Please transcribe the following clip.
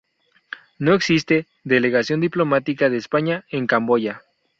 No existe delegación diplomática de España en Camboya.